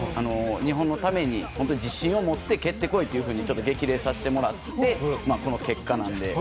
日本のために自信を持って蹴ってこいと激励させてもらってこの結果なので。